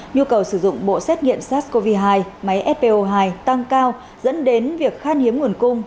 nhu cầu sử dụng bộ xét nghiệm sars cov hai máy fpo hai tăng cao dẫn đến việc khan hiếm nguồn cung